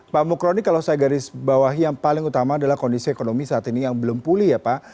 pak mukroni kalau saya garis bawah yang paling utama adalah kondisi ekonomi saat ini yang belum pulih ya pak